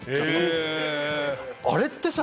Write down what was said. あれってさ